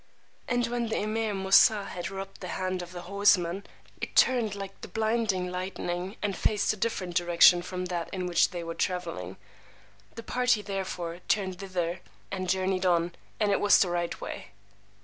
And when the Emeer Moosà had rubbed the hand of the horseman, it turned like the blinding lightning, and faced a different direction from that in which they were traveling. The party therefore turned thither and journeyed on, and it was the right way.